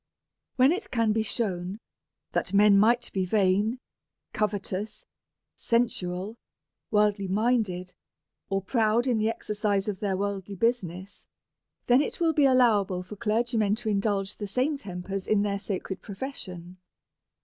When it can be shewn that men might be vain, co vetous, sensual, worldly minded, or proud in the exer cise of their worldly business, then it will be allowable for clergymen to indulge the same tempers in their sacred profession.